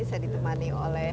saya ditemani oleh